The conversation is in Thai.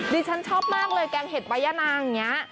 ที่ฉันชอบมากเลยแกงเห็ดปายานางิงแบบนี้